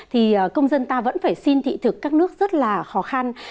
thì công dân ta vẫn phải xin thị thực các nước rất là khó khăn